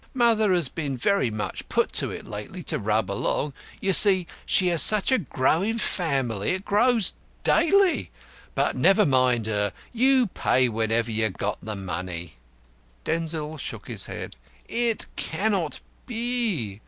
Mother has been very much put to it lately to rub along. You see she has such a growing family. It grows daily. But never mind her. You pay whenever you've got the money." Denzil shook his head. "It cannot be.